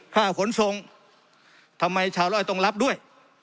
ขนส่งทำไมชาวร้อยต้องรับด้วย